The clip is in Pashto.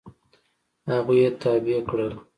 هغوی یې تابع کړل.